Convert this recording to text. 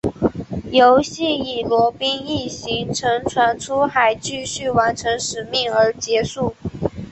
游戏以罗宾一行乘船出海继续完成使命而结束。